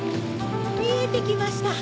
みえてきました！